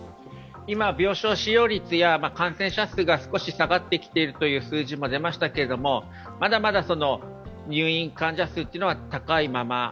今、病床使用率や感染者数が少し下がってきているという数字が出ましたけれどもまだまだ入院患者数は高いまま。